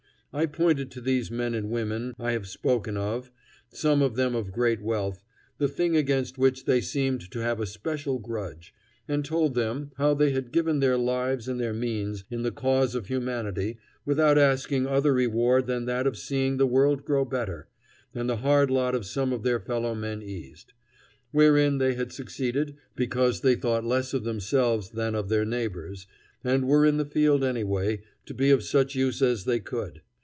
I pointed to these men and women I have spoken of, some of them of great wealth the thing against which they seemed to have a special grudge and told them how they had given their lives and their means in the cause of humanity without asking other reward than that of seeing the world grow better, and the hard lot of some of their fellow men eased; wherein they had succeeded because they thought less of themselves than of their neighbors, and were in the field, anyway, to be of such use as they could.